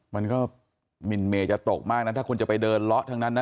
มันก็หมินเมย์จะตกมากนะถ้าคนจะไปเดินเลาะทั้งนั้นนะ